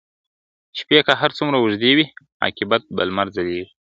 شپې که هر څومره اوږدې وي عاقبت به لمر ځلیږي ..